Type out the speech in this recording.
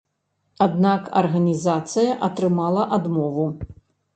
Аднак арганізацыя атрымала адмову.